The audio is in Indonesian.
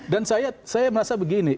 dan saya merasa begini